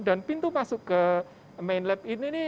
dan pintu masuk ke main lab ini